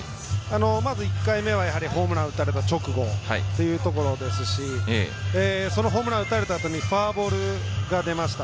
やはり、１回目はホームランを打たれた直後というところですしホームランを打たれたあとにフォアボールが出ました。